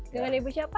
dengan ibu siapa